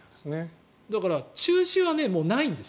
だから、中止はもうないんです。